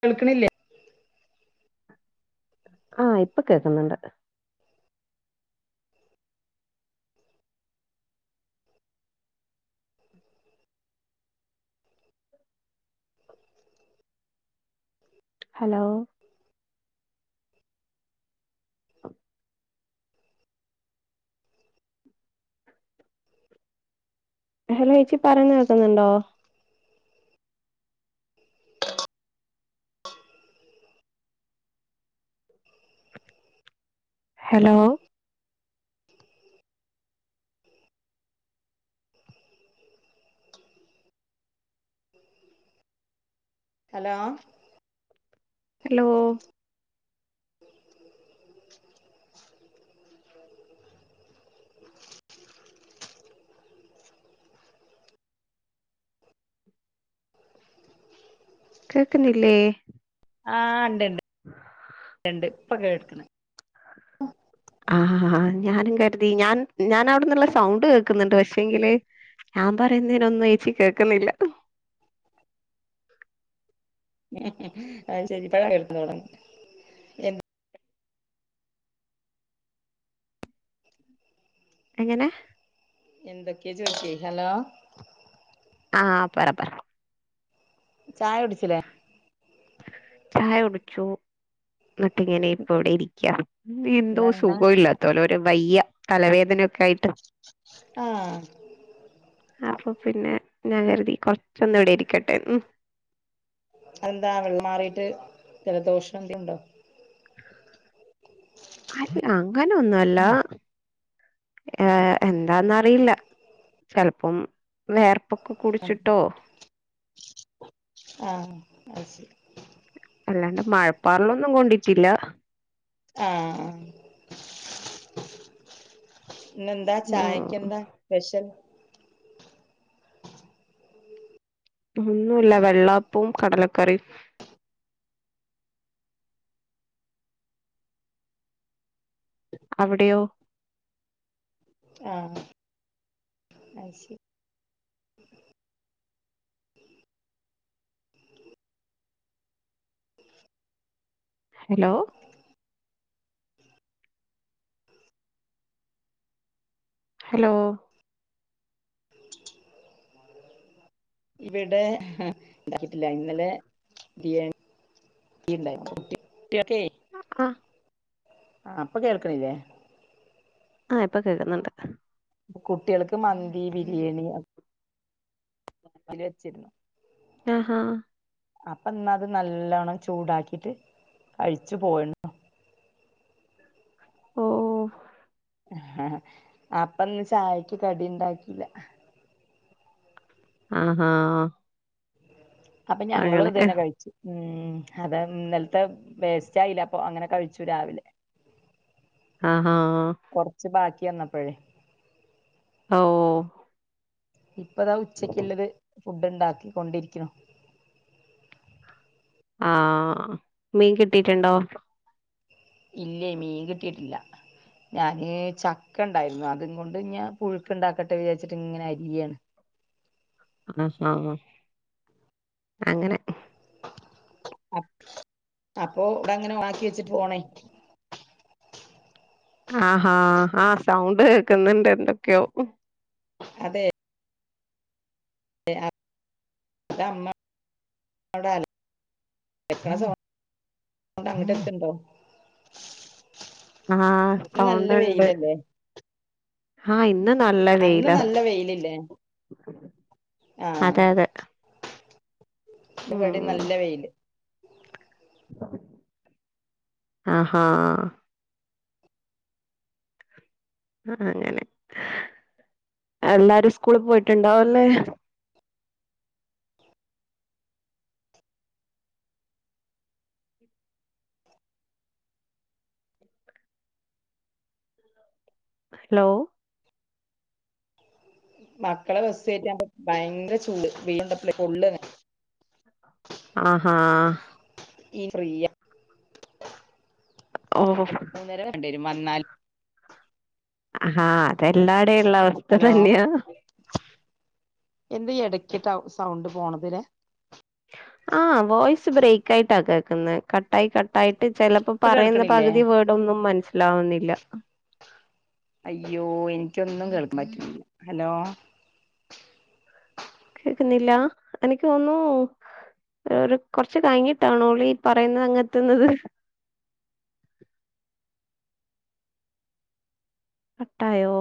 കേൾക്കണില്ലേ ആ ഇപ്പൊ കേക്കുന്നുണ്ട് ഹലോ ഹലോ ചച്ചി പറന്ന് നിക്കുന്നുണ്ടോ ഹലോ ഹലോ ഹലോ കേക്കുന്നില്ലേ ആ ഉണ്ട്ണ്ട്ണ്ട് ഇപ്പൊ കേക്കണ ആഹ ഞാനും കരുതി ഞാൻ ഞാൻ അവിടന്നുള്ള സൗണ്ട് കേക്കുന്നുണ്ട് പക്ഷേങ്കില് ഞാൻ പറയുന്നതിനൊന്നും ഏച്ചി കേക്കുന്നില്ല ഉ അത് ശരി പഴക എടുത്ത തുട എ എങ്ങനെ എന്തൊക്കെയ ചോദച്ചി ഹലോ ആഹ ബരാ പറർ ചായ കുടിച്ചിലെ ചായ കുടിച്ചു എന്നിട്ടെ ഇങ്ങനെ ഇപ്പ ഇവിടെ ഇരിക്കാ എന്തോ ഇന്നെന്താ സുഖ ഇല്ലാത്തോലെ ഒരു വയിയ തലവേദനൊക്കെ ആയിട്ട് ആഹ അപ്പൊ പിന്നെ ഞാൻ കരുതി കുറച്ചൊന്ന ഇവിടൊയിരിക്കും അതെന്താ വെള്ളമാറിട്ട് ജലദോഷം എന്ന്ത ഉണ്ടോ അല്ല അങ്ങനെൊന്നല്ല ഏർ എന്താന്നറിയില്ല ചിലപ്പം വേർപ്പൊക്കെ കുടിച്ചിട്ടോ എശ അല്ലാണ്ട് മഴപ്പാറിലൊന്നും കൊണ്ടിട്ടില്ല ആഹ ആ ഇെന്താ ഉം ചായക്ക് എന്താ സ്പെഷ്യൽ ഒന്നുമല്ല വെള്ളാപ്പവും കടലക്കറും അവിടെയോ ആഹ അ ശരി ഹലോ ഹലോ ഇവിടെ ഇണ്ടാക്കിട്ടില്ല ഇന്നലെ ബിരിയാണി ഇണ്ടാക്കീട്ട് ആഹ് ആ ഇപ്പൊ കേൾക്കണില്ലേ ആ ഇപ്പൊ കേൾക്കുന്നുണ്ട് കുട്ടികൾക്ക് മന്തി ബിരിയാണി ലെ വച്ചിരുന്നു ആ ആ അപ്പൊ ഇന്നത് നല്ലോണ്ണം ചൂടാക്കിട്ട് കഴിച്ചു പോയിണ് ഓ ഓ അപ്പന്ന് ചായക്ക് കടി ഇണ്ടാക്കില്ല ആഹാ അപ്പൊ ഞങ്ങളും അങ്ങനെ ഇത് തന്നെ കഴിച്ചു ഉം അത് ഇന്നലത്തെ വേസ്റ്റ് ആയില്ല അപ്പൊ അങ്ങനെ കഴിച്ചു രാവിലെ ആഹ ആ എന്നപ്പഴേ ഓ ഇപ്പതാ ഉച്ചക്കുള്ളത് ഫുഡ് ഉണ്ടാക്കൊണ്ടിരിക്കുണു ആ മീൻ കിട്ടിട്ടുണ്ടോ ഇല്ലേ മീൻ കിട്ടീട്ടില്ല ഞാന് ചക്ക ഇണ്ടായിരുന്നു അതും കൊണ്ട് ഞ പുഴുക്ക്ണ്ടാക്കട്ടെ വിചാരിച്ചിട്ട് ഇങ്ങനെ അരിയാണ് ആ അങ്ങനെ അപ്പോ ഇവിടെ ങ്ങനെ ഓണാക്കി വെച്ചിട്ട് ഫോണേ ആഹാ ആ സൗണ്ട് കേക്കുന്നുണ്ട് എന്തൊക്കെയോ അതെ [inaudible] [inaudible] അങ്ങിട്ട് കേക്കുണ്ടോ ആ സൗണ്ട് ണ്ട് ആ ഇന്ന നല്ല അന്ന് വെയില നല്ല വെയിലില്ലേ അതെ അതെ ഇവടിം ഉം നല്ല വെയില് ആഹാ ആ അങ്ങനെ എല്ലാരും സ്കൂളി പോയിട്ടുണ്ടാവല്ലേ ഹലോ മക്കളെ ബസ് കെട്ടിയാണ്ട് ഭയങ്കര ചൂട് വെയിൽ കൊണ്ടപ്പളിങ്ങനെ പൊള്ളാന്നെ ആഹാ ഇനി ഫ്രീയാ ഓ വന്നാല് ആഹ അതെല്ലാടെള്ള അവസ്ഥ ഹലോ തന്നെയാ എന്ത് ഇടക്കിട്ടാ സൗണ്ട് പോണത് ലേ ആഹ് വോയിസ് ബ്രേക്ക് ആയിട്ടാ കട്ടായി കട്ടായിട്ട് ചിലപ്പോ ഇപ്പൊ പറയുന്ന കേൾക്കണില്ലേ പകുതി വേർഡോന്നും മനസ്സി ലാവുന്നില്ല അയ്യോ എനിക്കൊന്നും കേൾക്കാൻ പറ്റില്ല ഹലോ കേക്കുന്നില്ല എനിക്ക് തോന്നുന്നു കൊറച്ച് കഴിഞ്ഞിട്ടാണോ നമ്മളീ പറയുന്നത് അങ്ങത്തുന്നത് [inaudible] കട്ടായോ